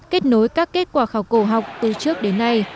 kết nối các kết quả khảo cổ học từ trước đến nay